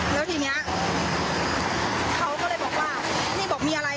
แล้วทีนี้เขาก็เลยบอกว่าพี่บอกมีอะไร